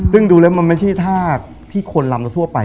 แต่ดูเลยมันไม่ใช่ท่าที่คนลำจะทั่วไป